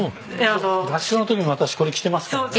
合唱の時も私これ着てますからね。